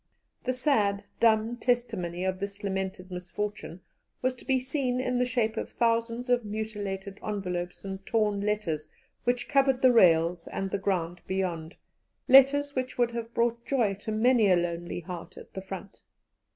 The sad, dumb testimony of this lamented misfortune was to be seen in the shape of thousands of mutilated envelopes and torn letters which covered the rails and the ground beyond letters which would have brought joy to many a lonely heart at the front.